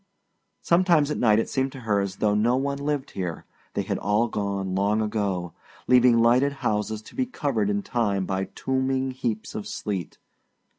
Sometimes at night it had seemed to her as though no one lived here they had all gone long ago leaving lighted houses to be covered in time by tombing heaps of sleet.